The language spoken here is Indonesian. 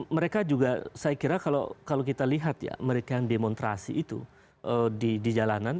mereka juga saya kira kalau kita lihat ya mereka yang demonstrasi itu di jalanan